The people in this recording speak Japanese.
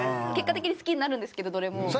結果的に好きになるんですけどどれも。